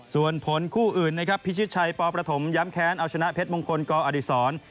ส่วนผลคู่อื่นนะครับพิชิตชัยปประถมย้ำแค้นเอาชนะเพชรมงคลกอดีศร